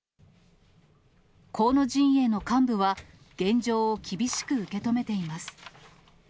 河野陣営の幹部は、現状を厳しく受け止めています。